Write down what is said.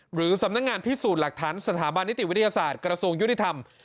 หรือสำนักงานพิสูจน์หลักฐานสถาบันนิติวิทยาศาสตร์กระทรวงยุติธรรม